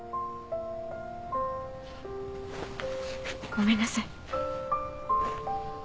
ごめんなさい。